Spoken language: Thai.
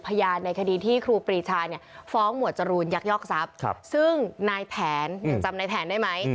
ในคดีที่ครูปรีชาเนี่ยฟ้องหมวดจรูนยักยอกทรัพย์ซึ่งนายแผนยังจำนายแผนได้ไหม